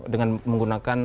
dengan menggunakan data